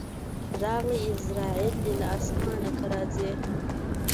راغلی عزراییل دی له اسمانه که راځې